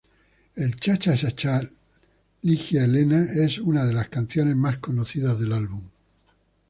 El cha-cha-chá "Ligia Elena" es una de las canciones más conocidas del álbum.